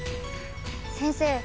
先生。